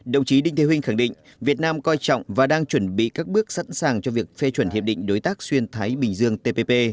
đồng chí đinh thế huynh khẳng định việt nam coi trọng và đang chuẩn bị các bước sẵn sàng cho việc phê chuẩn hiệp định đối tác xuyên thái bình dương tpp